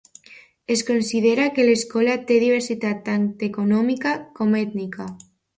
Es considera que l'escola té diversitat tant econòmica com ètnica.